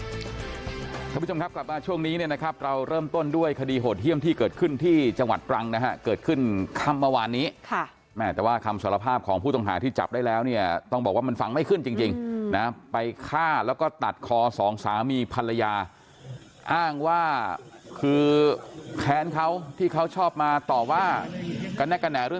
คุณผู้ชมครับกลับมาช่วงนี้เนี่ยนะครับเราเริ่มต้นด้วยคดีโหดเยี่ยมที่เกิดขึ้นที่จังหวัดตรังนะฮะเกิดขึ้นค่ำเมื่อวานนี้ค่ะแม่แต่ว่าคำสารภาพของผู้ต้องหาที่จับได้แล้วเนี่ยต้องบอกว่ามันฟังไม่ขึ้นจริงนะไปฆ่าแล้วก็ตัดคอสองสามีภรรยาอ้างว่าคือแค้นเขาที่เขาชอบมาต่อว่ากันนักกระแห